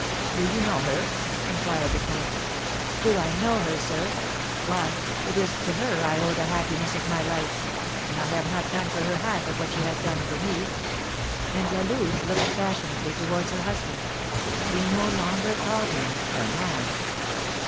"Do you know her?" inquired the comte. "Do I know her, sir? Why, it is to her I owe the happiness of my life; and I have not done for her half what she has done for me." And La Louve looked passionately towards her husband, she no longer called him her man!